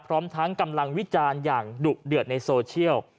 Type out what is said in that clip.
พร้อมทั้งกำลังวิจารณ์อย่างดุเดือดในโซเชียล